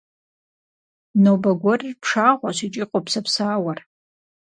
Нобэ гуэрыр пшагъуэщ икӏи къопсэпсауэр.